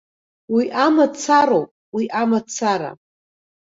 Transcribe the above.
Уи амацароуп, уи амацара.